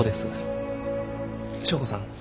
祥子さん